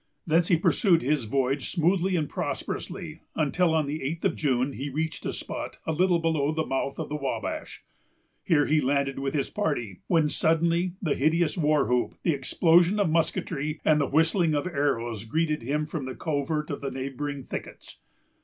Thence he pursued his voyage smoothly and prosperously, until, on the eighth of June, he reached a spot a little below the mouth of the Wabash. Here he landed with his party; when suddenly the hideous war whoop, the explosion of musketry, and the whistling of arrows greeted him from the covert of the neighboring thickets.